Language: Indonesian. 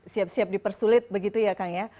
siap siap dipersulit begitu ya